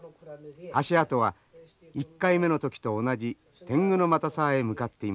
足跡は１回目の時と同じ天狗ノ又沢へ向かっていました。